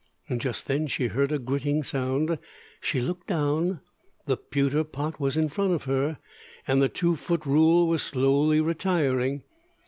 Just then she heard a gritting sound. She looked down. The pewter pot was in front of her, and the two foot rule was slowly retiring.